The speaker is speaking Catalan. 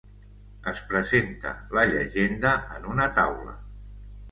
Es presenta la llegenda en una taula.